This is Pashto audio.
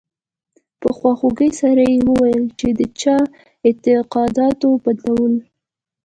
په خواخوږۍ سره یې وویل چې د چا د اعتقاداتو بدلول.